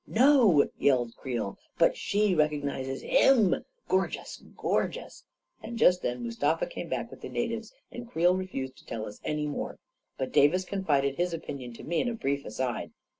" No !" yelled Creel. " But she recognizes him 1 Gorgeous ! Gorgeous !" And just then Mustafa came back with the na tives, and Creel refused to tell us any more. But Davis confided his opinion to me in a brief aside.